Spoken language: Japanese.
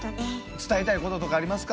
伝えたいこととかありますか？